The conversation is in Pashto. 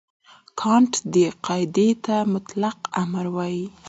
کانټ دې قاعدې ته مطلق امر وايي.